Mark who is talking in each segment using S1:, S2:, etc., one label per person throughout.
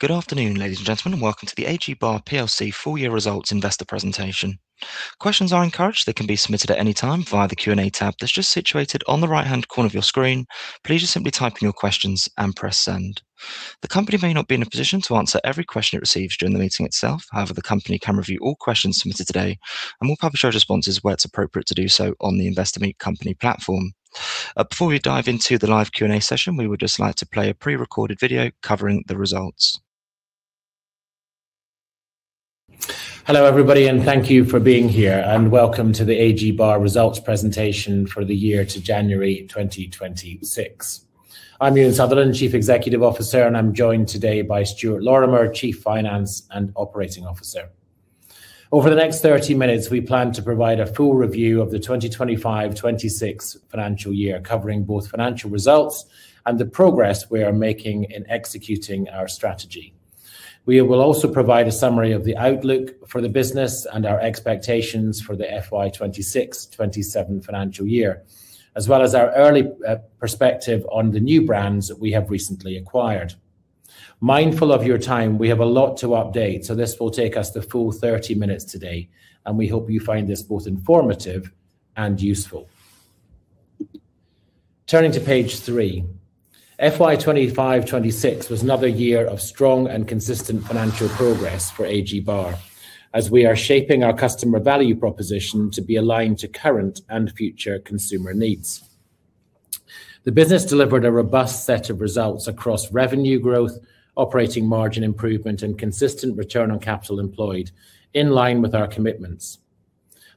S1: Good afternoon, ladies and gentlemen, and welcome to the A.G. Barr plc full year results investor presentation. Questions are encouraged. They can be submitted at any time via the Q&A tab that's just situated on the right-hand corner of your screen. Please just simply type in your questions and press send. The company may not be in a position to answer every question it receives during the meeting itself. However, the company can review all questions submitted today and will publish our responses where it's appropriate to do so on the Investor Meet Company platform. Before we dive into the live Q&A session, we would just like to play a pre-recorded video covering the results.
S2: Hello, everybody, and thank you for being here and welcome to the A.G. Barr results presentation for the year to January 2026. I'm Euan Sutherland, Chief Executive Officer, and I'm joined today by Stuart Lorimer, Chief Finance and Operating Officer. Over the next 30 minutes, we plan to provide a full review of the 2025, 2026 financial year, covering both financial results and the progress we are making in executing our strategy. We will also provide a summary of the outlook for the business and our expectations for the FY 2026, 2027 financial year, as well as our early perspective on the new brands that we have recently acquired. Mindful of your time, we have a lot to update, so this will take us the full 30 minutes today, and we hope you find this both informative and useful. Turning to page three. FY 2025, 2026 was another year of strong and consistent financial progress for A.G. Barr as we are shaping our customer value proposition to be aligned to current and future consumer needs. The business delivered a robust set of results across revenue growth, operating margin improvement, and consistent return on capital employed in line with our commitments.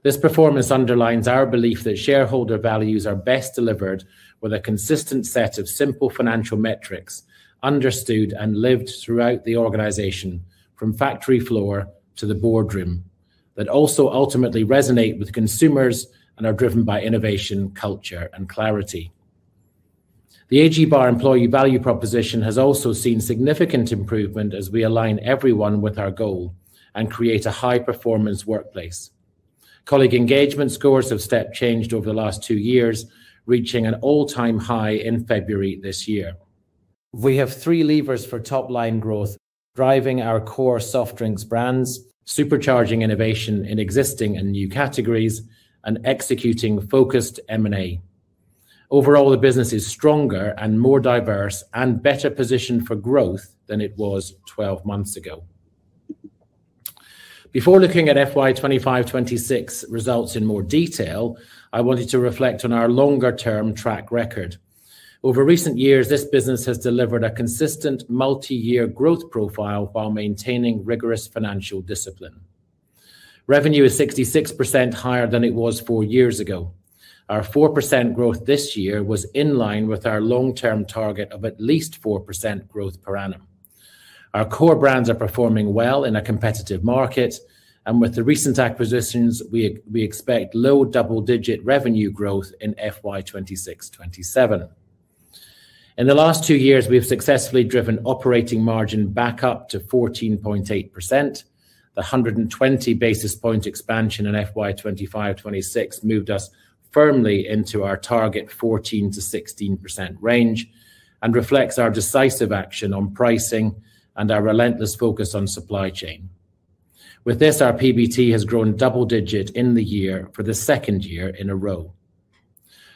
S2: This performance underlines our belief that shareholder values are best delivered with a consistent set of simple financial metrics understood and lived throughout the organization, from factory floor to the boardroom, that also ultimately resonate with consumers and are driven by innovation, culture, and clarity. The A.G. Barr employee value proposition has also seen significant improvement as we align everyone with our goal and create a high-performance workplace. Colleague engagement scores have step changed over the last two years, reaching an all-time high in February this year. We have three levers for top-line growth, driving our core soft drinks brands, supercharging innovation in existing and new categories, and executing focused M&A. Overall, the business is stronger and more diverse and better positioned for growth than it was 12 months ago. Before looking at FY 2025, 2026 results in more detail, I wanted to reflect on our longer-term track record. Over recent years, this business has delivered a consistent multi-year growth profile while maintaining rigorous financial discipline. Revenue is 66% higher than it was four years ago. Our 4% growth this year was in line with our long-term target of at least 4% growth per annum. Our core brands are performing well in a competitive market, and with the recent acquisitions, we expect low double-digit revenue growth in FY 2026, 2027. In the last two years, we have successfully driven operating margin back up to 14.8%. The 120 basis point expansion in FY 2025, 2026 moved us firmly into our target 14%-16% range and reflects our decisive action on pricing and our relentless focus on supply chain. With this, our PBT has grown double digit in the year for the second year in a row.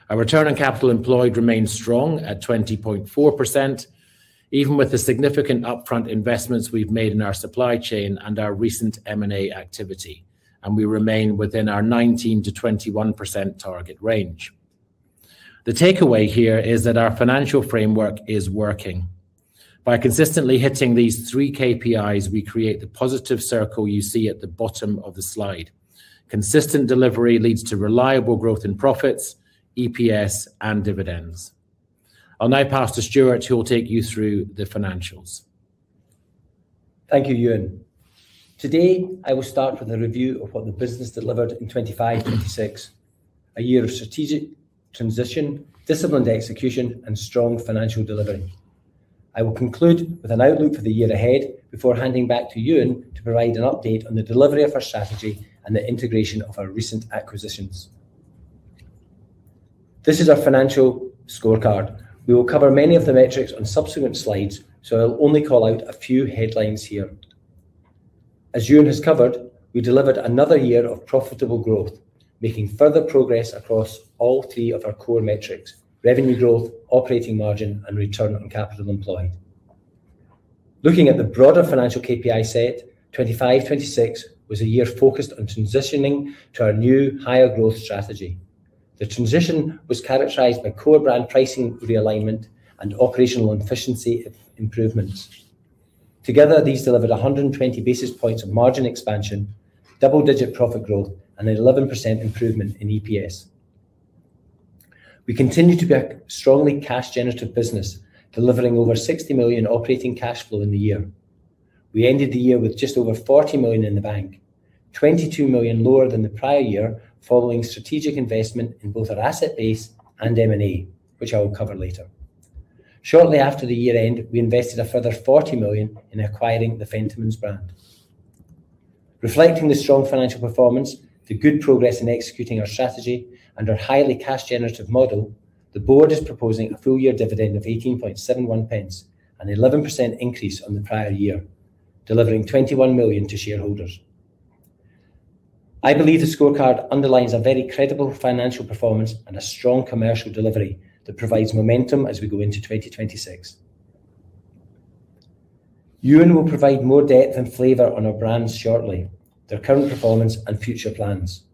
S2: Our return on capital employed remains strong at 20.4%, even with the significant upfront investments we've made in our supply chain and our recent M&A activity, and we remain within our 19%-21% target range. The takeaway here is that our financial framework is working. By consistently hitting these three KPIs, we create the positive circle you see at the bottom of the slide. Consistent delivery leads to reliable growth in profits, EPS, and dividends. I'll now pass to Stuart, who will take you through the financials.
S3: Thank you, Euan. Today, I will start with a review of what the business delivered in 2025, 2026, a year of strategic transition, disciplined execution, and strong financial delivery. I will conclude with an outlook for the year ahead before handing back to Euan to provide an update on the delivery of our strategy and the integration of our recent acquisitions. This is our financial scorecard. We will cover many of the metrics on subsequent slides, so I'll only call out a few headlines here. As Euan has covered, we delivered another year of profitable growth, making further progress across all three of our core metrics. Revenue growth, operating margin, and return on capital employed. Looking at the broader financial KPI set, 2025, 2026 was a year focused on transitioning to our new higher growth strategy. The transition was characterized by core brand pricing realignment and operational efficiency improvements. Together, these delivered 120 basis points of margin expansion, double-digit profit growth, and an 11% improvement in EPS. We continue to be a strongly cash generative business, delivering over 60 million operating cash flow in the year. We ended the year with just over 40 million in the bank, 22 million lower than the prior year, following strategic investment in both our asset base and M&A, which I will cover later. Shortly after the year-end, we invested a further 40 million in acquiring the Fentimans brand. Reflecting the strong financial performance, the good progress in executing our strategy, and our highly cash generative model, the board is proposing a full-year dividend of 0.1871, an 11% increase on the prior year, delivering 21 million to shareholders. I believe the scorecard underlines a very credible financial performance and a strong commercial delivery that provides momentum as we go into 2026. Euan will provide more depth and flavor on our brands shortly, their current performance and future plans.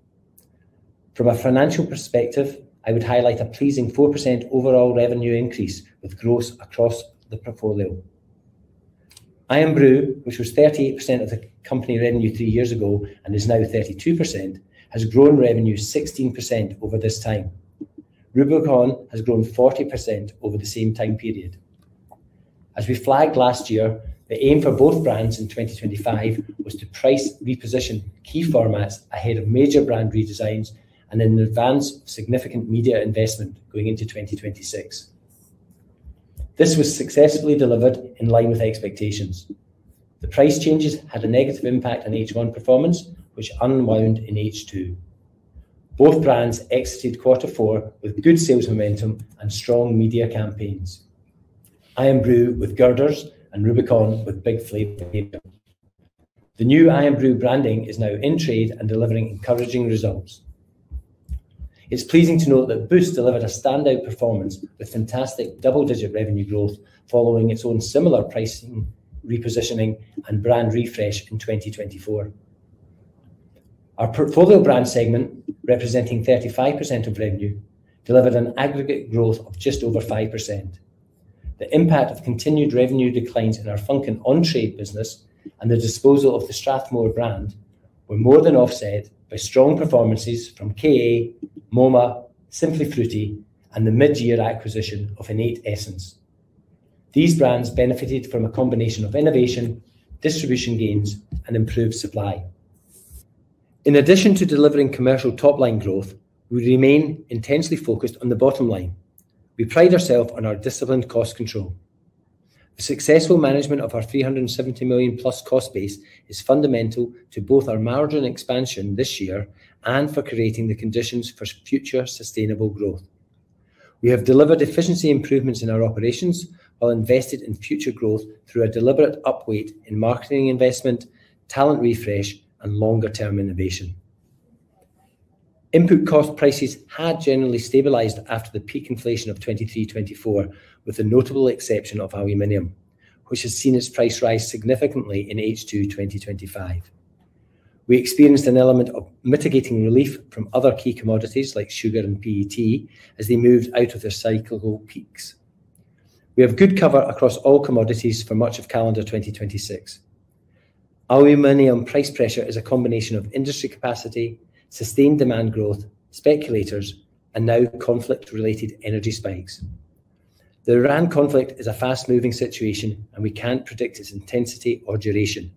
S3: From a financial perspective, I would highlight a pleasing 4% overall revenue increase with growth across the portfolio. IRN-BRU, which was 38% of the company revenue three years ago and is now 32%, has grown revenue 16% over this time. Rubicon has grown 40% over the same time period. As we flagged last year, the aim for both brands in 2025 was to price reposition key formats ahead of major brand redesigns and in advance of significant media investment going into 2026. This was successfully delivered in line with expectations. The price changes had a negative impact on H1 performance which unwound in H2. Both brands exited quarter four with good sales momentum and strong media campaigns, IRN-BRU with girders and Rubicon with big flavor. The new IRN-BRU branding is now in trade and delivering encouraging results. It's pleasing to note that Boost delivered a standout performance with fantastic double-digit revenue growth following its own similar pricing repositioning and brand refresh in 2024. Our portfolio brand segment, representing 35% of revenue, delivered an aggregate growth of just over 5%. The impact of continued revenue declines in our Funkin on-trade business and the disposal of the Strathmore brand were more than offset by strong performances from KA, MOMA, Simply Fruity, and the mid-year acquisition of Innate-Essence. These brands benefited from a combination of innovation, distribution gains, and improved supply. In addition to delivering commercial top-line growth, we remain intensely focused on the bottom line. We pride ourselves on our disciplined cost control. The successful management of our 370 million-plus cost base is fundamental to both our margin expansion this year and for creating the conditions for future sustainable growth. We have delivered efficiency improvements in our operations while invested in future growth through a deliberate upweight in marketing investment, talent refresh, and longer-term innovation. Input cost prices had generally stabilized after the peak inflation of 2023, 2024, with the notable exception of aluminum, which has seen its price rise significantly in H2 2025. We experienced an element of mitigating relief from other key commodities like sugar and PET as they moved out of their cyclical peaks. We have good cover across all commodities for much of calendar 2026. Aluminum price pressure is a combination of industry capacity, sustained demand growth, speculators, and now conflict-related energy spikes. The Iran conflict is a fast-moving situation, and we can't predict its intensity or duration.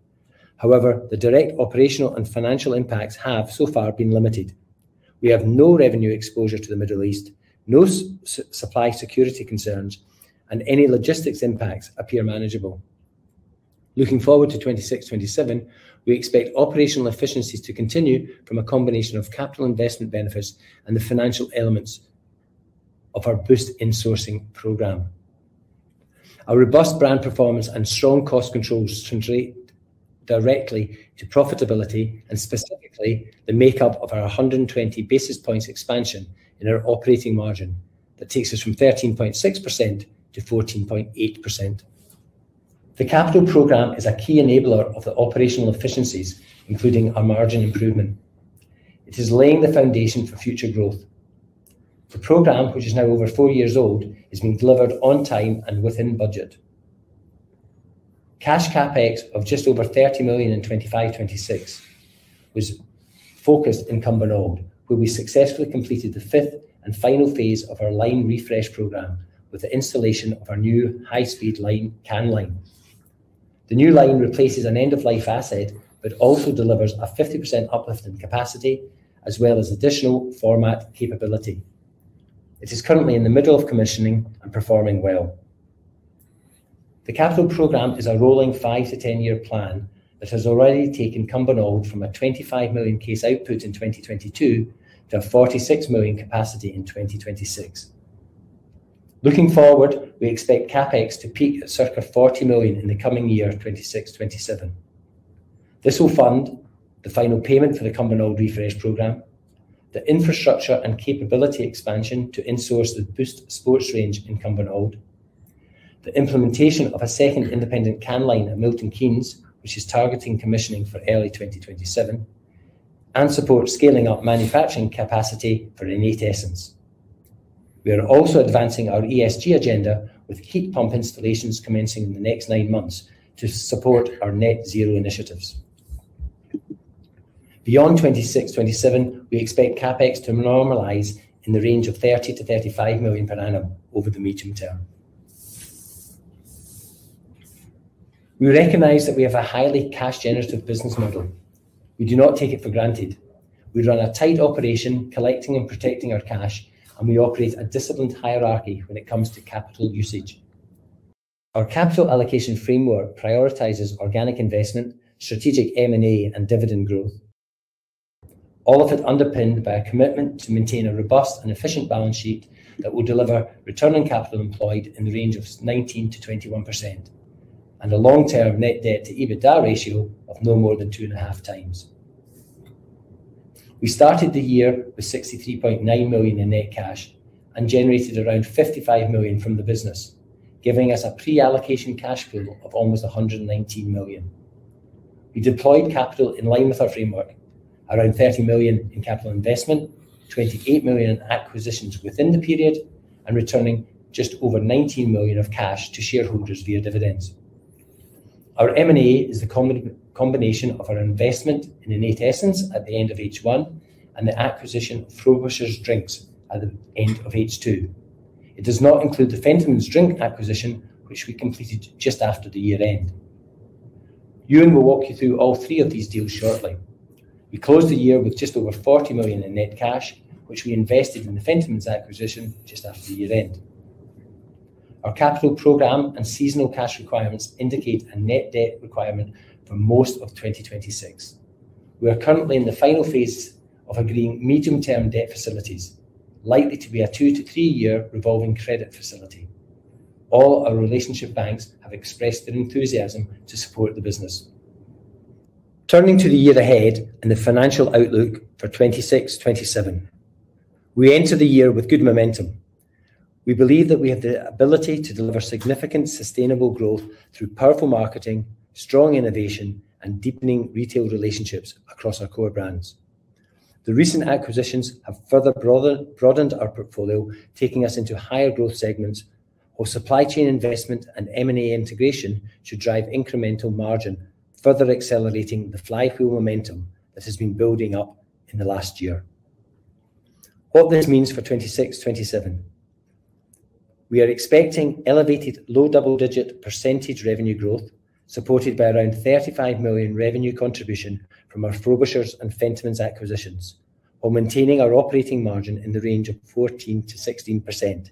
S3: However, the direct operational and financial impacts have so far been limited. We have no revenue exposure to the Middle East, no supply security concerns, and any logistics impacts appear manageable. Looking forward to 2026, 2027, we expect operational efficiencies to continue from a combination of capital investment benefits and the financial elements of our Boost insourcing program. Our robust brand performance and strong cost controls translate directly to profitability and specifically the makeup of our 120 basis points expansion in our operating margin that takes us from 13.6%-14.8%. The capital program is a key enabler of the operational efficiencies, including our margin improvement. It is laying the foundation for future growth. The program, which is now over four years old, is being delivered on time and within budget. Cash CapEx of just over 30 million in 2025, 2026 was focused in Cumbernauld, where we successfully completed the fifth and final phase of our line refresh program with the installation of our new high-speed line can line. The new line replaces an end-of-life asset but also delivers a 50% uplift in capacity as well as additional format capability. It is currently in the middle of commissioning and performing well. The capital program is a rolling five to 10-year plan that has already taken Cumbernauld from a 25 million case output in 2022 to a 46 million capacity in 2026. Looking forward, we expect CapEx to peak at circa 40 million in the coming year 2026, 2027. This will fund the final payment for the Cumbernauld refresh program, the infrastructure and capability expansion to insource the Boost sports range in Cumbernauld, the implementation of a second independent can line at Milton Keynes, which is targeting commissioning for early 2027, and support scaling up manufacturing capacity for Innate-Essence. We are also advancing our ESG agenda with heat pump installations commencing in the next nine months to support our net zero initiatives. Beyond 2026, 2027, we expect CapEx to normalize in the range of 30 million-35 million per annum over the medium term. We recognize that we have a highly cash generative business model. We do not take it for granted. We run a tight operation collecting and protecting our cash, and we operate a disciplined hierarchy when it comes to capital usage. Our capital allocation framework prioritizes organic investment, strategic M&A, and dividend growth. All of it underpinned by a commitment to maintain a robust and efficient balance sheet that will deliver returning capital employed in the range of 19%-21%, and a long-term net debt to EBITDA ratio of no more than 2.5x. We started the year with 63.9 million in net cash and generated around 55 million from the business, giving us a pre-allocation cash flow of almost 119 million. We deployed capital in line with our framework, around 30 million in capital investment, 28 million acquisitions within the period, and returning just over 19 million of cash to shareholders via dividends. Our M&A is the combination of our investment in Innate-Essence at the end of H1 and the acquisition of Frobishers' strengths at the end of H2. It does not include the Fentimans drink acquisition, which we completed just after the year-end. Euan will walk you through all three of these deals shortly. We closed the year with just over 40 million in net cash, which we invested in the Fentimans acquisition just after the year-end. Our capital program and seasonal cash requirements indicate a net debt requirement for most of 2026. We are currently in the final phase of agreeing medium-term debt facilities, likely to be a two to three-year revolving credit facility. All our relationship banks have expressed their enthusiasm to support the business. Turning to the year ahead and the financial outlook for 2026, 2027. We enter the year with good momentum. We believe that we have the ability to deliver significant, sustainable growth through powerful marketing, strong innovation, and deepening retail relationships across our core brands. The recent acquisitions have further broadened our portfolio, taking us into higher growth segments, while supply chain investment and M&A integration should drive incremental margin, further accelerating the flywheel momentum that has been building up in the last year. What this means for 2026, 2027. We are expecting elevated low double-digit percentage revenue growth, supported by around 35 million revenue contribution from our Frobishers and Fentimans acquisitions, while maintaining our operating margin in the range of 14%-16%.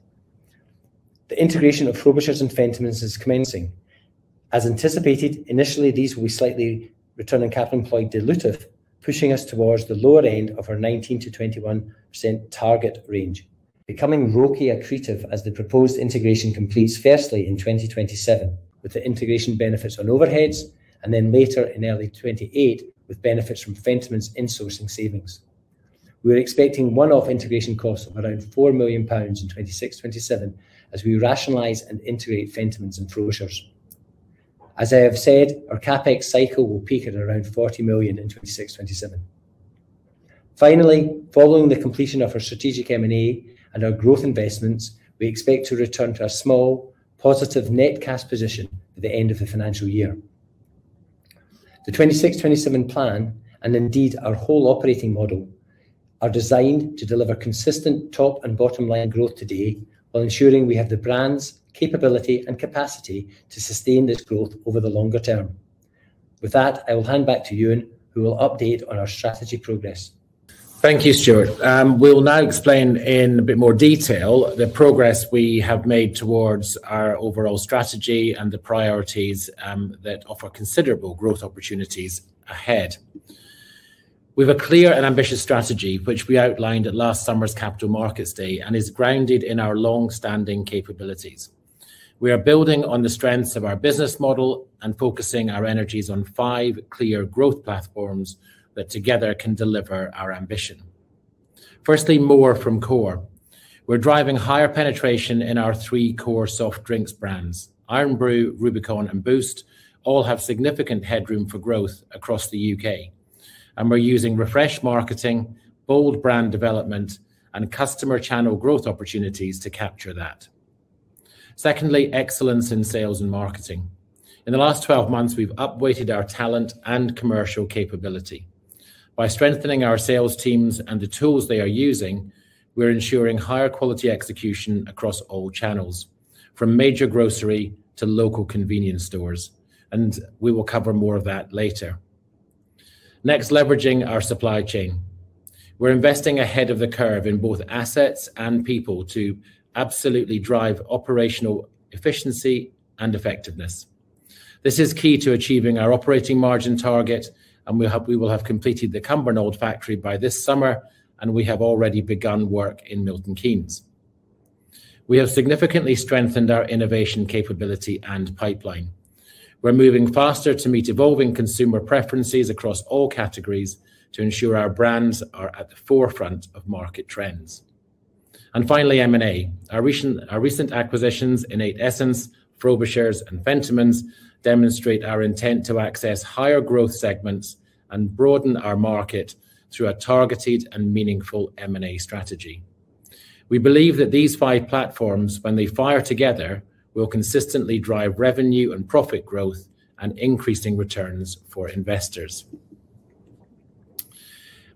S3: The integration of Frobishers and Fentimans is commencing. As anticipated, initially, these will be slightly Return on Capital Employed dilutive, pushing us towards the lower end of our 19%-21% target range, becoming ROCE accretive as the proposed integration completes, firstly, in 2027, with the integration benefits on overheads, and then later in early 2028, with benefits from Fentimans' insourcing savings. We're expecting one-off integration costs of around 4 million pounds in 2026-2027 as we rationalize and integrate Fentimans and Frobishers. As I have said, our CapEx cycle will peak at around 40 million in 2026-2027. Finally, following the completion of our strategic M&A and our growth investments, we expect to return to a small positive net cash position at the end of the financial year. The 2026-2027 plan, and indeed our whole operating model, are designed to deliver consistent top and bottom-line growth today while ensuring we have the brands, capability, and capacity to sustain this growth over the longer term. With that, I will hand back to Euan, who will update on our strategy progress.
S2: Thank you, Stuart. We'll now explain in a bit more detail the progress we have made towards our overall strategy and the priorities that offer considerable growth opportunities ahead. We've a clear and ambitious strategy which we outlined at last summer's Capital Markets Day and is grounded in our long-standing capabilities. We are building on the strengths of our business model and focusing our energies on five clear growth platforms that together can deliver our ambition. Firstly, more from core. We're driving higher penetration in our three core soft drinks brands. IRN-BRU, Rubicon and Boost all have significant headroom for growth across the U.K., and we're using refresh marketing, bold brand development, and customer channel growth opportunities to capture that. Secondly, excellence in sales and marketing. In the last 12 months, we've upweighted our talent and commercial capability. By strengthening our sales teams and the tools they are using, we're ensuring higher quality execution across all channels, from major grocery to local convenience stores, and we will cover more of that later. Next, leveraging our supply chain. We're investing ahead of the curve in both assets and people to absolutely drive operational efficiency and effectiveness. This is key to achieving our operating margin target, and we will have completed the Cumbernauld factory by this summer, and we have already begun work in Milton Keynes. We have significantly strengthened our innovation capability and pipeline. We're moving faster to meet evolving consumer preferences across all categories to ensure our brands are at the forefront of market trends. Finally, M&A. Our recent acquisitions, Innate-Essence, Frobishers, and Fentimans, demonstrate our intent to access higher growth segments and broaden our market through a targeted and meaningful M&A strategy. We believe that these five platforms, when they fire together, will consistently drive revenue and profit growth and increasing returns for investors.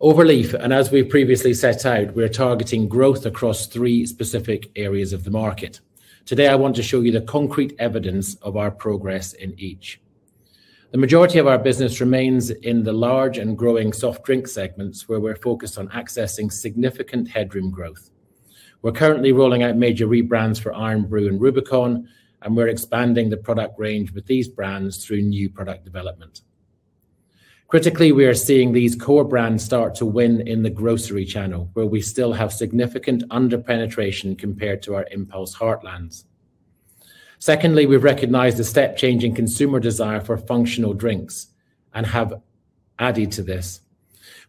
S2: Overleaf, as we've previously set out, we are targeting growth across three specific areas of the market. Today, I want to show you the concrete evidence of our progress in each. The majority of our business remains in the large and growing soft drink segments, where we're focused on accessing significant headroom growth. We're currently rolling out major rebrands for IRN-BRU and Rubicon, and we're expanding the product range with these brands through new product development. Critically, we are seeing these core brands start to win in the grocery channel, where we still have significant under-penetration compared to our impulse heartlands. Secondly, we've recognized a step change in consumer desire for functional drinks and have added to this.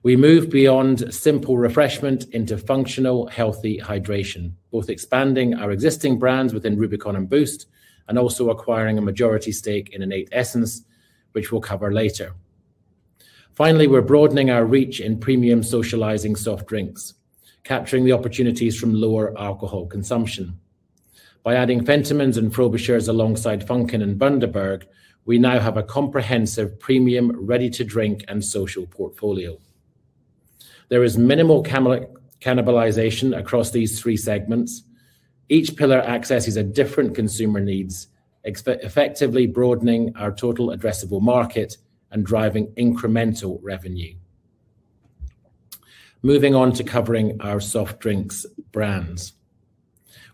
S2: We move beyond simple refreshment into functional healthy hydration, both expanding our existing brands within Rubicon and Boost and also acquiring a majority stake in Innate-Essence, which we'll cover later. Finally, we're broadening our reach in premium socializing soft drinks, capturing the opportunities from lower alcohol consumption. By adding Fentimans and Frobishers alongside Funkin and Bundaberg, we now have a comprehensive premium ready-to-drink and social portfolio. There is minimal cannibalization across these three segments. Each pillar accesses a different consumer needs, effectively broadening our total addressable market and driving incremental revenue. Moving on to covering our soft drinks brands.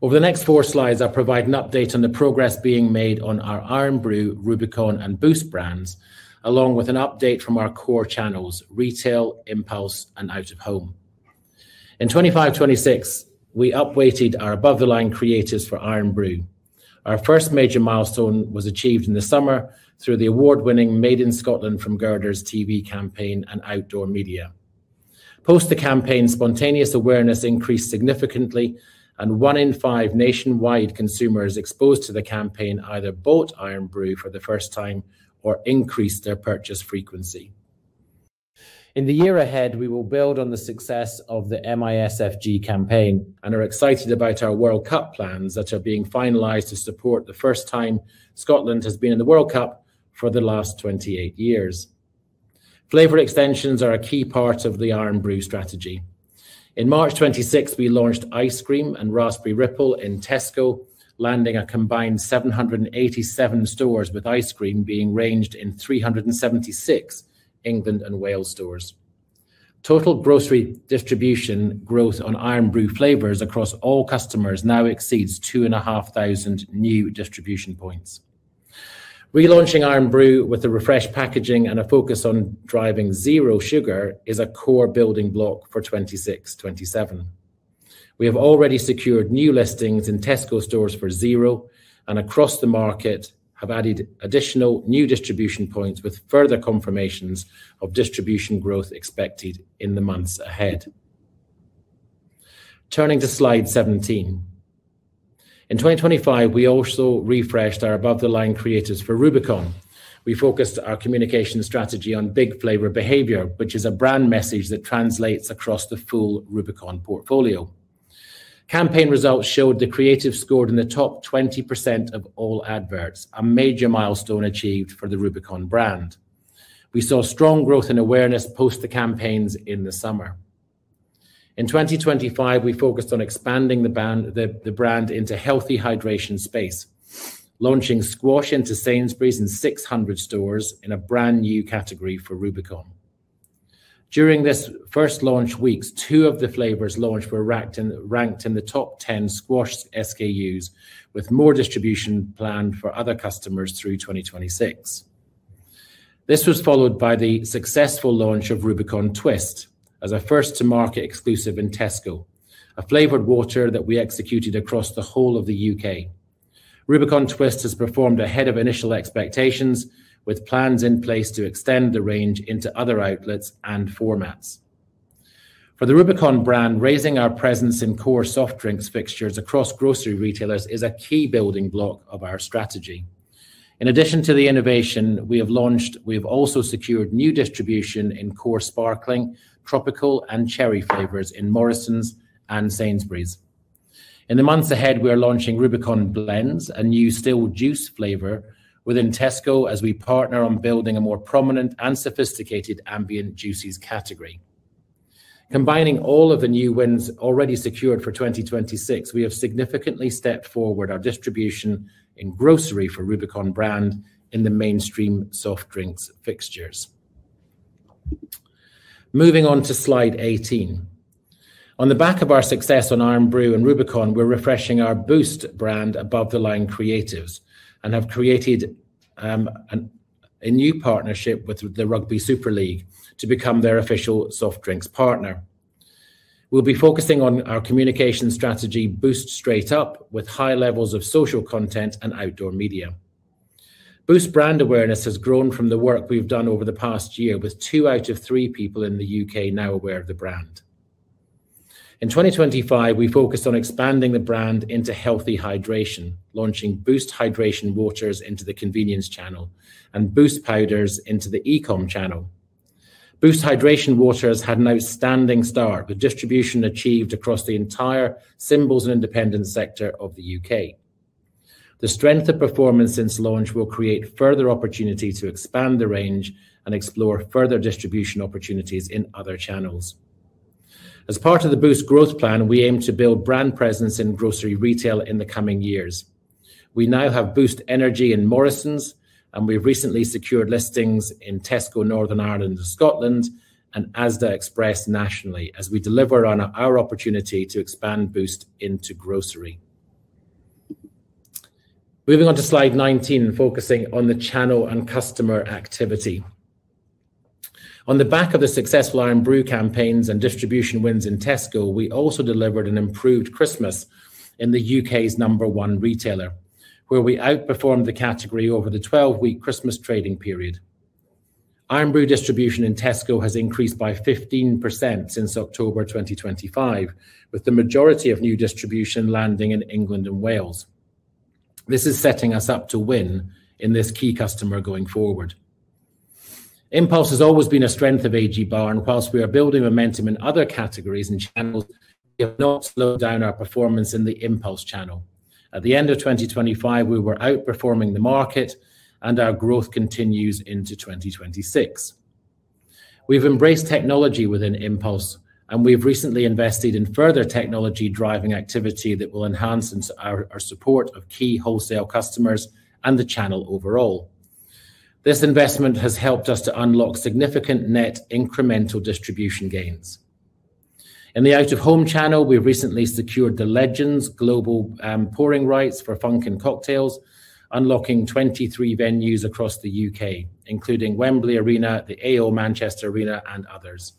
S2: Over the next four slides, I provide an update on the progress being made on our IRN-BRU, Rubicon, and Boost brands, along with an update from our core channels, Retail, Impulse, and Out-of-Home. In 2025, 2026, we upweighted our above the line creatives for IRN-BRU. Our first major milestone was achieved in the summer through the award-winning Made in Scotland from Girders TV campaign and outdoor media. Post the campaign, spontaneous awareness increased significantly, and one in five nationwide consumers exposed to the campaign either bought IRN-BRU for the first time or increased their purchase frequency. In the year ahead, we will build on the success of the MISFG campaign and are excited about our World Cup plans that are being finalized to support the first time Scotland has been in the World Cup for the last 28 years. Flavor extensions are a key part of the IRN-BRU strategy. In March 2026, we launched Ice Cream and Raspberry Ripple in Tesco, landing a combined 787 stores, with Ice Cream being ranged in 376 England and Wales stores. Total grocery distribution growth on IRN-BRU flavors across all customers now exceeds 2,500 new distribution points. Relaunching IRN-BRU with the refreshed packaging and a focus on driving zero sugar is a core building block for 2026, 2027. We have already secured new listings in Tesco stores for zero sugar and across the market have added additional new distribution points with further confirmations of distribution growth expected in the months ahead. Turning to slide 17. In 2025, we also refreshed our above the line creatives for Rubicon. We focused our communication strategy on big flavor behavior, which is a brand message that translates across the full Rubicon portfolio. Campaign results showed the creative scored in the top 20% of all ads, a major milestone achieved for the Rubicon brand. We saw strong growth in awareness post the campaigns in the summer. In 2025, we focused on expanding the brand into healthy hydration space, launching Squash into Sainsbury's in 600 stores in a brand-new category for Rubicon. During this first launch weeks, two of the flavors launched were ranked in the top 10 Squash SKUs with more distribution planned for other customers through 2026. This was followed by the successful launch of Rubicon Twist as a first to market exclusive in Tesco, a flavored water that we executed across the whole of the U.K. Rubicon Twist has performed ahead of initial expectations with plans in place to extend the range into other outlets and formats. For the Rubicon brand, raising our presence in core soft drinks fixtures across grocery retailers is a key building block of our strategy. In addition to the innovation we have launched, we have also secured new distribution in core sparkling, tropical, and cherry flavors in Morrisons and Sainsbury's. In the months ahead, we are launching Rubicon Blends, a new still juice flavor within Tesco as we partner on building a more prominent and sophisticated ambient juices category. Combining all of the new wins already secured for 2026, we have significantly stepped forward our distribution in grocery for Rubicon brand in the mainstream soft drinks fixtures. Moving on to slide 18. On the back of our success on IRN-BRU and Rubicon, we're refreshing our Boost brand above the line creatives and have created a new partnership with the Rugby Super League to become their official soft drinks partner. We'll be focusing on our communication strategy Boost Straight Up with high levels of social content and outdoor media. Boost brand awareness has grown from the work we've done over the past year, with two out of three people in the U.K. now aware of the brand. In 2025, we focused on expanding the brand into healthy hydration, launching Boost hydration waters into the convenience channel and Boost powders into the e-com channel. Boost hydration waters had an outstanding start, with distribution achieved across the entire symbol and independent sector of the U.K. The strength of performance since launch will create further opportunity to expand the range and explore further distribution opportunities in other channels. As part of the Boost growth plan, we aim to build brand presence in grocery retail in the coming years. We now have Boost Energy in Morrisons, and we recently secured listings in Tesco Northern Ireland and Scotland and Asda Express nationally as we deliver on our opportunity to expand Boost into grocery. Moving on to slide 19 and focusing on the channel and customer activity. On the back of the successful IRN-BRU campaigns and distribution wins in Tesco, we also delivered an improved Christmas in the U.K.'s number one retailer, where we outperformed the category over the 12-week Christmas trading period. IRN-BRU distribution in Tesco has increased by 15% since October 2025, with the majority of new distribution landing in England and Wales. This is setting us up to win in this key customer going forward. Impulse has always been a strength of A.G. Barr, and whilst we are building momentum in other categories and channels, we have not slowed down our performance in the impulse channel. At the end of 2025, we were outperforming the market and our growth continues into 2026. We've embraced technology within Impulse, and we've recently invested in further technology driving activity that will enhance our support of key wholesale customers and the channel overall. This investment has helped us to unlock significant net incremental distribution gains. In the Out-of-Home channel, we recently secured the Legends Global pouring rights for Funkin cocktails, unlocking 23 venues across the U.K., including Wembley Arena, the AO Manchester Arena and others.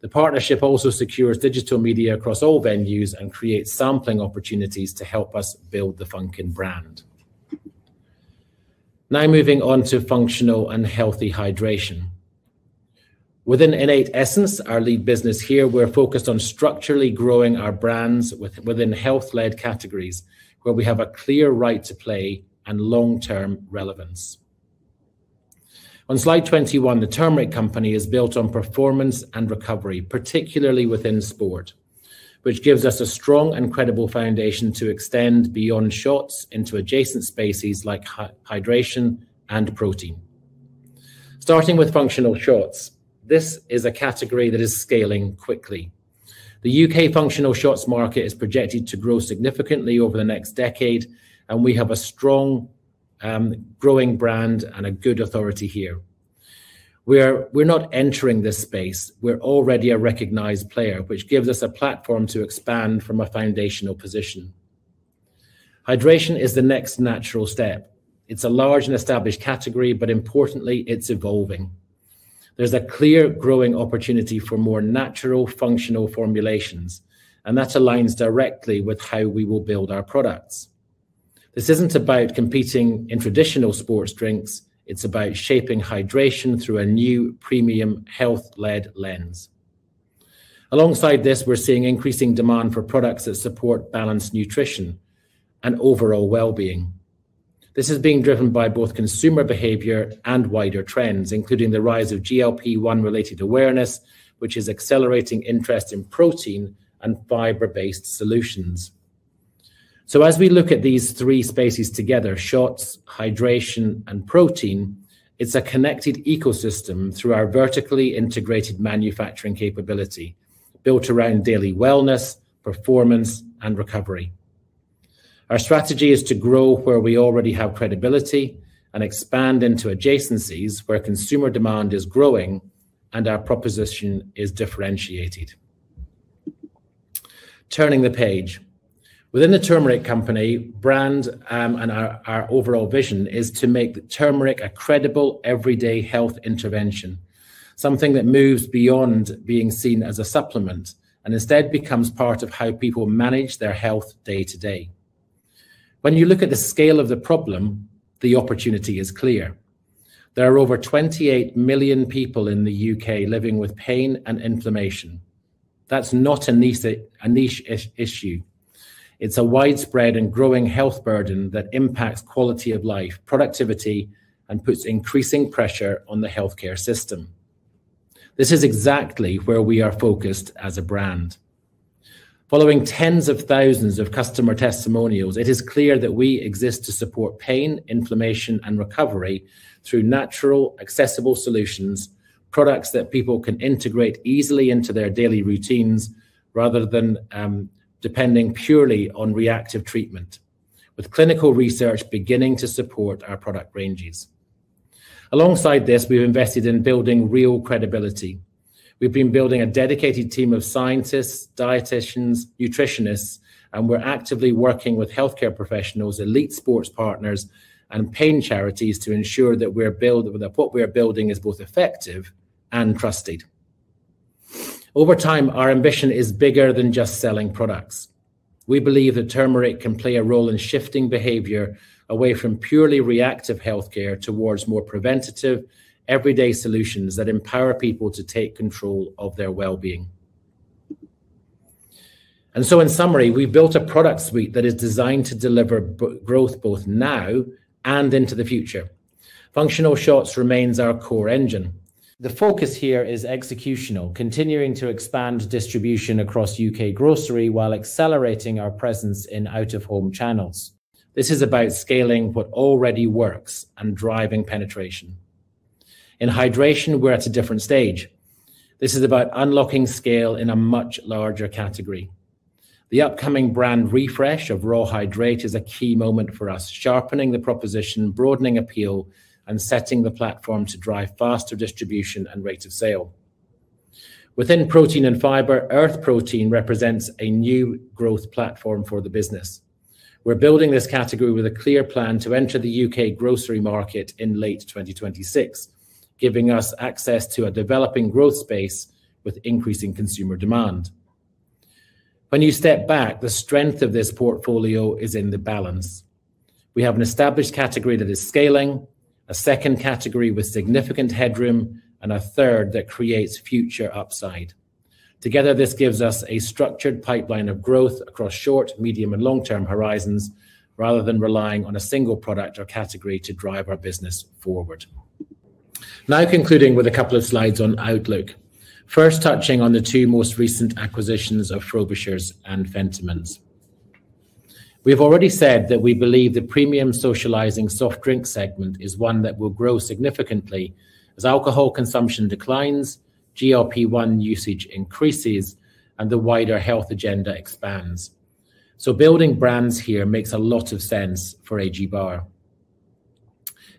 S2: The partnership also secures digital media across all venues and creates sampling opportunities to help us build the Funkin brand. Now moving on to functional and healthy hydration. Within Innate-Essence, our lead business here, we're focused on structurally growing our brands within health-led categories, where we have a clear right to play and long-term relevance. On slide 21, The Turmeric Company is built on performance and recovery, particularly within sport, which gives us a strong and credible foundation to extend beyond shots into adjacent spaces like hydration and protein. Starting with functional shots, this is a category that is scaling quickly. The U.K. functional shots market is projected to grow significantly over the next decade, and we have a strong, growing brand and a good authority here. We're not entering this space. We're already a recognized player, which gives us a platform to expand from a foundational position. Hydration is the next natural step. It's a large and established category, but importantly, it's evolving. There's a clear growing opportunity for more natural functional formulations, and that aligns directly with how we will build our products. This isn't about competing in traditional sports drinks. It's about shaping hydration through a new premium health-led lens. Alongside this, we're seeing increasing demand for products that support balanced nutrition and overall well-being. This is being driven by both consumer behavior and wider trends, including the rise of GLP-1 related awareness, which is accelerating interest in protein and fiber-based solutions. As we look at these three spaces together, shots, hydration, and protein, it's a connected ecosystem through our vertically integrated manufacturing capability built around daily wellness, performance, and recovery. Our strategy is to grow where we already have credibility and expand into adjacencies where consumer demand is growing and our proposition is differentiated. Turning the page. Within The Turmeric Company brand, and our overall vision is to make turmeric a credible everyday health intervention. Something that moves beyond being seen as a supplement and instead becomes part of how people manage their health day to day. When you look at the scale of the problem, the opportunity is clear. There are over 28 million people in the U.K. living with pain and inflammation. That's not a niche issue. It's a widespread and growing health burden that impacts quality of life, productivity, and puts increasing pressure on the healthcare system. This is exactly where we are focused as a brand. Following tens of thousands of customer testimonials, it is clear that we exist to support pain, inflammation, and recovery through natural, accessible solutions, products that people can integrate easily into their daily routines rather than depending purely on reactive treatment, with clinical research beginning to support our product ranges. Alongside this, we've invested in building real credibility. We've been building a dedicated team of scientists, dieticians, nutritionists, and we're actively working with healthcare professionals, elite sports partners, and pain charities to ensure that what we are building is both effective and trusted. Over time, our ambition is bigger than just selling products. We believe that turmeric can play a role in shifting behavior away from purely reactive healthcare towards more preventative, everyday solutions that empower people to take control of their well-being. In summary, we built a product suite that is designed to deliver B-growth both now and into the future. Functional shots remains our core engine. The focus here is executional, continuing to expand distribution across U.K. grocery while accelerating our presence in out-of-home channels. This is about scaling what already works and driving penetration. In hydration, we're at a different stage. This is about unlocking scale in a much larger category. The upcoming brand refresh of Raw Hydrate is a key moment for us, sharpening the proposition, broadening appeal, and setting the platform to drive faster distribution and rate of sale. Within protein and fiber, Earth Protein represents a new growth platform for the business. We're building this category with a clear plan to enter the U.K. grocery market in late 2026, giving us access to a developing growth space with increasing consumer demand. When you step back, the strength of this portfolio is in the balance. We have an established category that is scaling, a second category with significant headroom, and a third that creates future upside. Together, this gives us a structured pipeline of growth across short, medium, and long-term horizons, rather than relying on a single product or category to drive our business forward. Now concluding with a couple of slides on outlook. First touching on the two most recent acquisitions of Frobishers and Fentimans. We've already said that we believe the premium socializing soft drink segment is one that will grow significantly as alcohol consumption declines, GLP-1 usage increases, and the wider health agenda expands. Building brands here makes a lot of sense for A.G. Barr.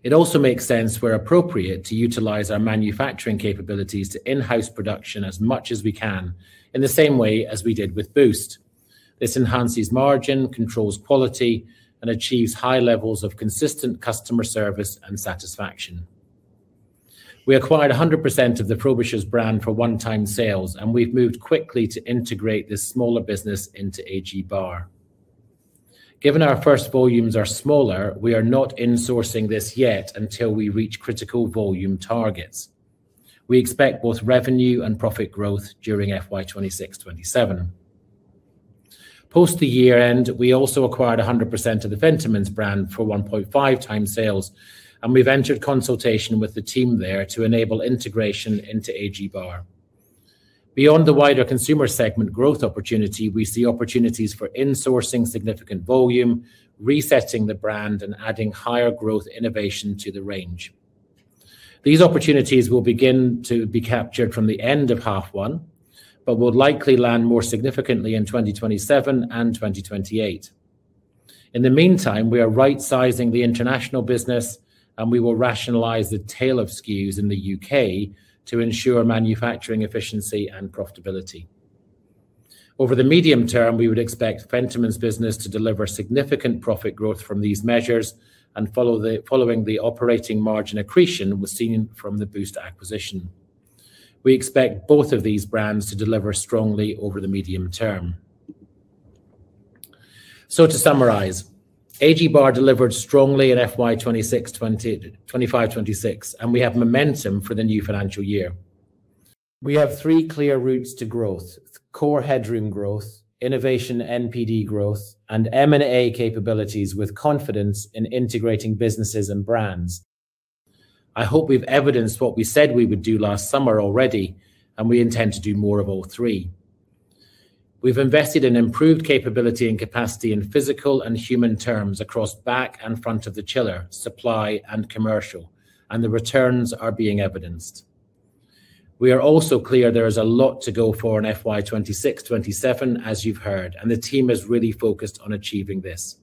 S2: It also makes sense where appropriate to utilize our manufacturing capabilities to in-house production as much as we can, in the same way as we did with Boost. This enhances margin, controls quality, and achieves high levels of consistent customer service and satisfaction. We acquired 100% of the Frobishers brand for 1x sales, and we've moved quickly to integrate this smaller business into A.G. Barr. Given our first volumes are smaller, we are not insourcing this yet until we reach critical volume targets. We expect both revenue and profit growth during FY 2026, 2027. Post the year-end, we also acquired 100% of the Fentimans brand for 1.5x sales, and we've entered consultation with the team there to enable integration into A.G. Barr. Beyond the wider consumer segment growth opportunity, we see opportunities for insourcing significant volume, resetting the brand, and adding higher growth innovation to the range. These opportunities will begin to be captured from the end of half one, but will likely land more significantly in 2027 and 2028. In the meantime, we are right-sizing the international business, and we will rationalize the tail of SKUs in the U.K. to ensure manufacturing efficiency and profitability. Over the medium term, we would expect Fentimans business to deliver significant profit growth from these measures and following the operating margin accretion we're seeing from the Boost acquisition. We expect both of these brands to deliver strongly over the medium term. To summarize, A.G. Barr delivered strongly in FY 2025, 2026, and we have momentum for the new financial year. We have three clear routes to growth: core headroom growth, innovation NPD growth, and M&A capabilities with confidence in integrating businesses and brands. I hope we've evidenced what we said we would do last summer already, and we intend to do more of all three. We've invested in improved capability and capacity in physical and human terms across back and front of the chiller, supply and commercial, and the returns are being evidenced. We are also clear there is a lot to go for in FY 2026, 2027, as you've heard, and the team is really focused on achieving this.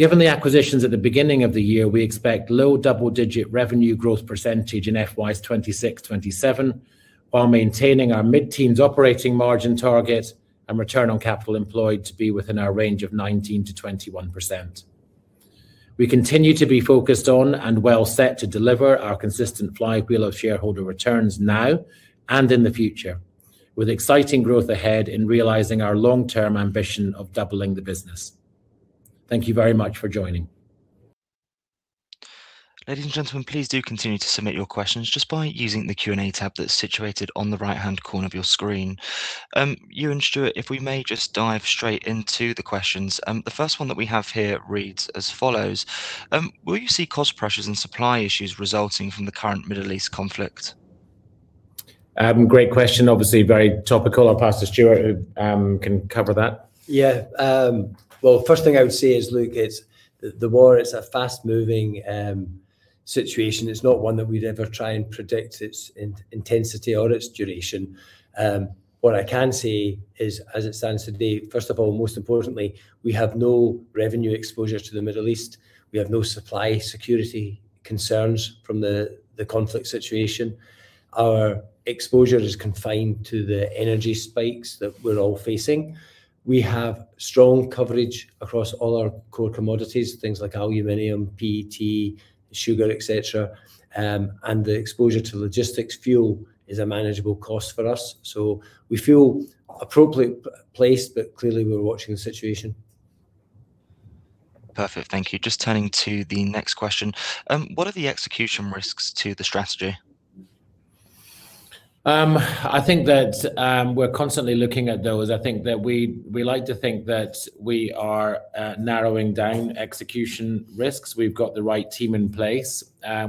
S2: Given the acquisitions at the beginning of the year, we expect low double-digit revenue growth percentage in FY 2026, 2027, while maintaining our mid-teens operating margin target and return on capital employed to be within our range of 19%-21%. We continue to be focused on and well set to deliver our consistent flywheel of shareholder returns now and in the future, with exciting growth ahead in realizing our long-term ambition of doubling the business. Thank you very much for joining.
S1: Ladies and gentlemen, please do continue to submit your questions just by using the Q&A tab that's situated on the right-hand corner of your screen. Euan, Stuart, if we may just dive straight into the questions. The first one that we have here reads as follows. Will you see cost pressures and supply issues resulting from the current Middle East conflict?
S2: Great question. Obviously very topical. I'll pass to Stuart who can cover that.
S3: Yeah. Well, first thing I would say is, Luke, it's the war is a fast-moving situation. It's not one that we'd ever try and predict its intensity or its duration. What I can say is, as it stands today, first of all, most importantly, we have no revenue exposure to the Middle East. We have no supply security concerns from the conflict situation. Our exposure is confined to the energy spikes that we're all facing. We have strong coverage across all our core commodities, things like aluminum, PET, sugar, et cetera. And the exposure to logistics fuel is a manageable cost for us. We feel appropriately placed, but clearly we're watching the situation.
S1: Perfect. Thank you. Just turning to the next question. What are the execution risks to the strategy?
S2: I think that we're constantly looking at those. I think that we like to think that we are narrowing down execution risks. We've got the right team in place.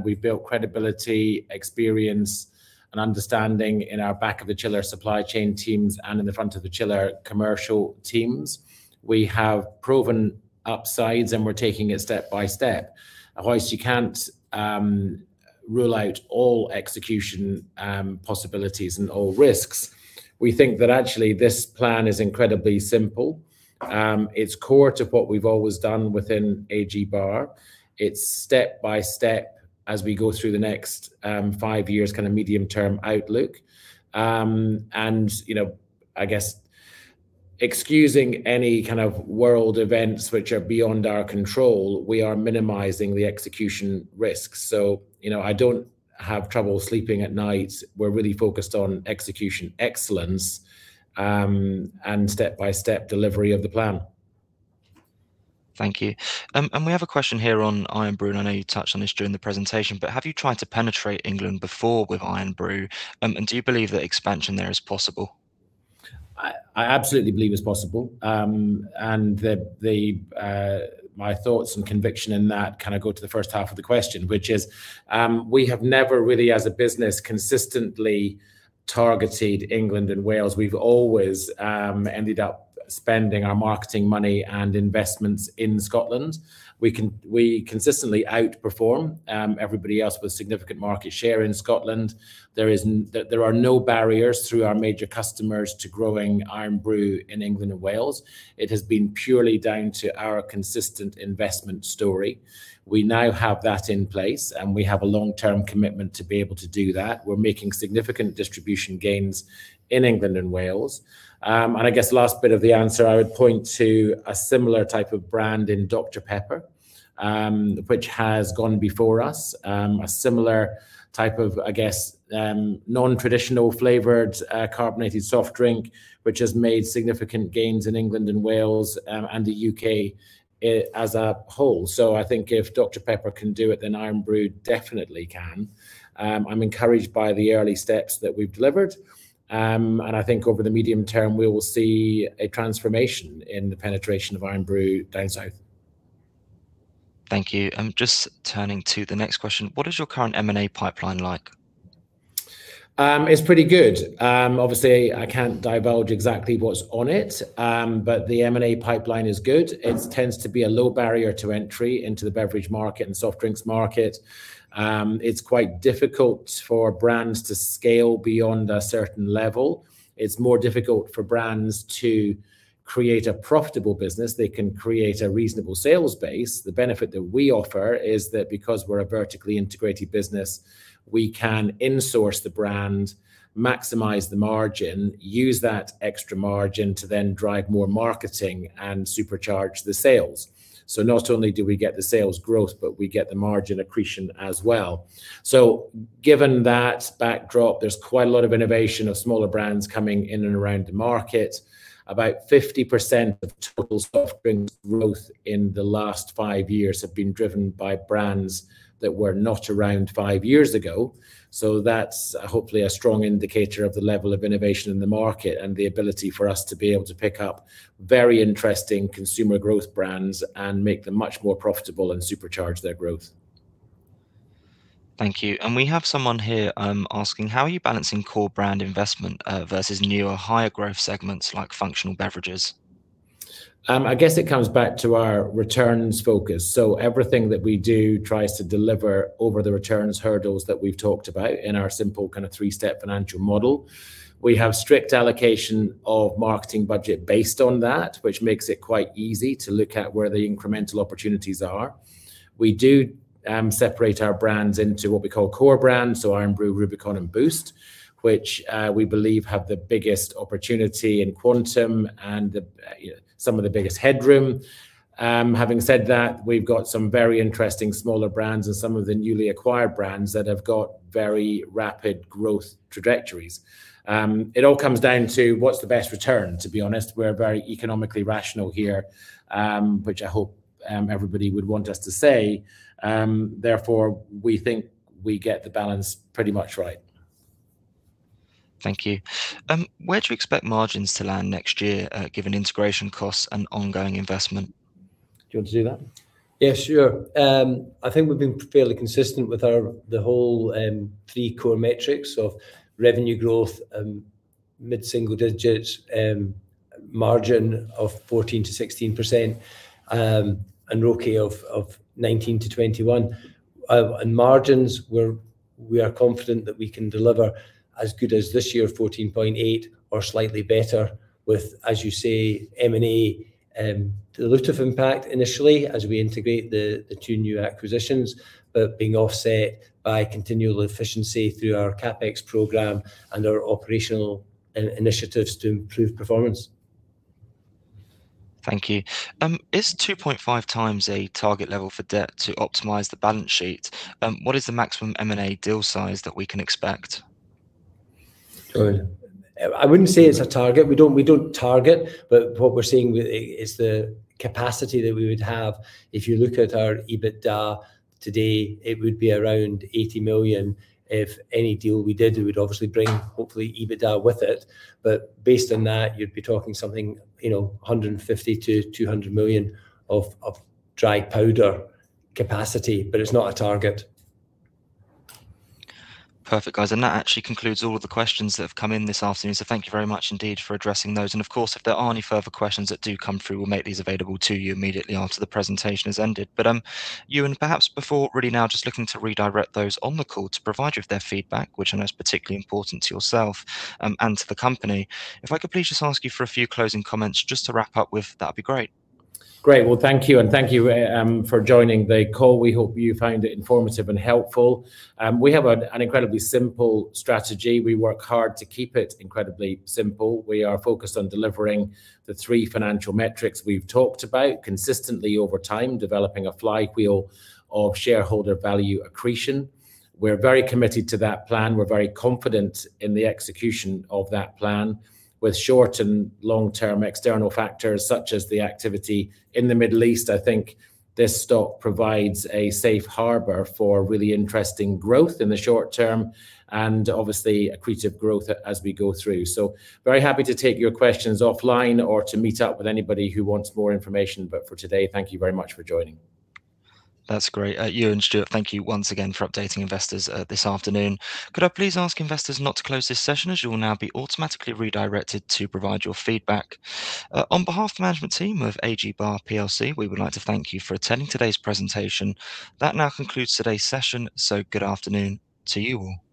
S2: We've built credibility, experience, and understanding in our back of the chiller supply chain teams and in the front of the chiller commercial teams. We have proven upsides, and we're taking it step by step. Of course, you can't rule out all execution possibilities and all risks. We think that actually this plan is incredibly simple. It's core to what we've always done within A.G. Barr. It's step by step as we go through the next five years kind of medium term outlook. You know, I guess excusing any kind of world events which are beyond our control, we are minimizing the execution risks. You know, I don't have trouble sleeping at night. We're really focused on execution excellence, and step-by-step delivery of the plan.
S1: Thank you. We have a question here on IRN-BRU, and I know you touched on this during the presentation. Have you tried to penetrate England before with IRN-BRU? Do you believe that expansion there is possible?
S2: I absolutely believe it's possible. My thoughts and conviction in that kind of go to the first half of the question, which is, we have never really as a business consistently targeted England and Wales. We've always ended up spending our marketing money and investments in Scotland. We consistently outperform everybody else with significant market share in Scotland. There are no barriers through our major customers to growing IRN-BRU in England and Wales. It has been purely down to our consistent investment story. We now have that in place, and we have a long-term commitment to be able to do that. We're making significant distribution gains in England and Wales. I guess last bit of the answer, I would point to a similar type of brand in Dr Pepper, which has gone before us. A similar type of, I guess, non-traditional flavored carbonated soft drink, which has made significant gains in England and Wales, and the U.K., as a whole. I think if Dr Pepper can do it, then IRN-BRU definitely can. I'm encouraged by the early steps that we've delivered. I think over the medium term, we will see a transformation in the penetration of IRN-BRU down south.
S1: Thank you. Just turning to the next question. What is your current M&A pipeline like?
S2: It's pretty good. Obviously, I can't divulge exactly what's on it. The M&A pipeline is good. It tends to be a low barrier to entry into the beverage market and soft drinks market. It's quite difficult for brands to scale beyond a certain level. It's more difficult for brands to create a profitable business. They can create a reasonable sales base. The benefit that we offer is that because we're a vertically integrated business, we can insource the brand, maximize the margin, use that extra margin to then drive more marketing and supercharge the sales. Not only do we get the sales growth, but we get the margin accretion as well. Given that backdrop, there's quite a lot of innovation of smaller brands coming in and around the market. About 50% of total soft drinks growth in the last five years have been driven by brands that were not around five years ago. That's hopefully a strong indicator of the level of innovation in the market and the ability for us to be able to pick up very interesting consumer growth brands and make them much more profitable and supercharge their growth.
S1: Thank you. We have someone here, asking, how are you balancing core brand investment versus newer higher growth segments like functional beverages?
S2: I guess it comes back to our returns focus. Everything that we do tries to deliver over the returns hurdles that we've talked about in our simple kind of three-step financial model. We have strict allocation of marketing budget based on that, which makes it quite easy to look at where the incremental opportunities are. We do separate our brands into what we call core brands, so IRN-BRU, Rubicon and Boost, which we believe have the biggest opportunity in quantum and then some of the biggest headroom. Having said that, we've got some very interesting smaller brands and some of the newly acquired brands that have got very rapid growth trajectories. It all comes down to what's the best return, to be honest. We're very economically rational here, which I hope everybody would want us to say. Therefore, we think we get the balance pretty much right.
S1: Thank you. Where do you expect margins to land next year, given integration costs and ongoing investment?
S2: Do you want to do that?
S3: Yeah, sure. I think we've been fairly consistent with the whole three core metrics of revenue growth, mid-single digits, margin of 14%-16%, and ROCE of 19%-21%. On margins, we are confident that we can deliver as good as this year, 14.8% or slightly better with, as you say, M&A dilutive impact initially as we integrate the two new acquisitions being offset by continual efficiency through our CapEx program and our operational initiatives to improve performance.
S1: Thank you. Is 2.5x a target level for debt to optimize the balance sheet? What is the maximum M&A deal size that we can expect?
S2: Go on.
S3: I wouldn't say it's a target. We don't target, but what we're seeing is the capacity that we would have. If you look at our EBITDA today, it would be around 80 million. If any deal we did, it would obviously bring hopefully EBITDA with it. But based on that, you'd be talking something, you know, 150 million-200 million of dry powder capacity, but it's not a target.
S1: Perfect, guys. That actually concludes all of the questions that have come in this afternoon. Thank you very much indeed for addressing those. Of course, if there are any further questions that do come through, we'll make these available to you immediately after the presentation has ended. Euan, perhaps before really now just looking to redirect those on the call to provide you with their feedback, which I know is particularly important to yourself, and to the company, if I could please just ask you for a few closing comments just to wrap up with, that'd be great.
S2: Great. Well, thank you. Thank you for joining the call. We hope you found it informative and helpful. We have an incredibly simple strategy. We work hard to keep it incredibly simple. We are focused on delivering the three financial metrics we've talked about consistently over time, developing a flywheel of shareholder value accretion. We're very committed to that plan. We're very confident in the execution of that plan. With short and long-term external factors, such as the activity in the Middle East, I think this stock provides a safe harbor for really interesting growth in the short term and obviously accretive growth as we go through. Very happy to take your questions offline or to meet up with anybody who wants more information. For today, thank you very much for joining.
S1: That's great. Euan and Stuart, thank you once again for updating investors, this afternoon. Could I please ask investors not to close this session, as you will now be automatically redirected to provide your feedback? On behalf of the management team of A.G. Barr p.l.c., we would like to thank you for attending today's presentation. That now concludes today's session. Good afternoon to you all.